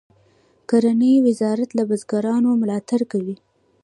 د کرنې وزارت له بزګرانو ملاتړ کوي.